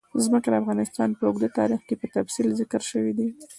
ځمکه د افغانستان په اوږده تاریخ کې په تفصیل ذکر شوی دی.